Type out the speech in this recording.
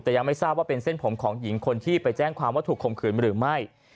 แต่ยังไม่ทราบว่าเป็นเส้นผมของหญิงคนที่ไปแจ้งความว่าถูกข่มขืนหรือไม่